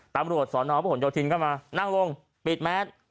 ตำรวจสอนอาวุธผลโยธินเข้ามานั่งลงปิดแมท